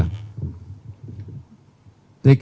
atau tidak pak